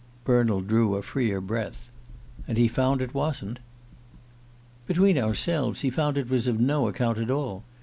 '" Bernald drew a freer breath. "And he found it wasn't?" "Between ourselves, he found it was of no account at all.